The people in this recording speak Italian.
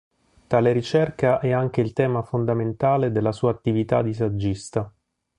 Tale ricerca è anche il tema fondamentale della sua attività di saggista.